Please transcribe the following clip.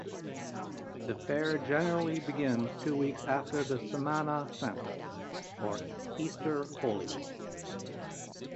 The fair generally begins two weeks after the Semana Santa, or Easter Holy Week.